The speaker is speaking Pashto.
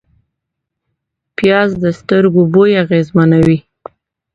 پیاز د سترګو بوی اغېزمنوي